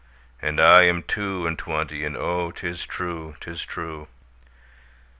'And I am two and twenty, And oh, 'tis true, 'tis true.